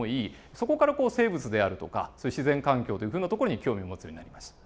そこから生物であるとか自然環境というふうなところに興味を持つようになりました。